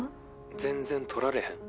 全然取られへん。